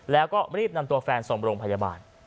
แล้วก็รีบนำตัวแฟนส่งโรงพยาบาล